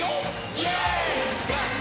「イエーイ！！」